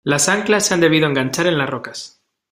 las anclas se han debido enganchar en las rocas.